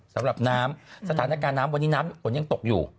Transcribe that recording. สำหรับน้ำสถานการณ์น้ำวันนี้น้ำฝนยังตกอยู่